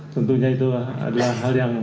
tentunya itu adalah hal yang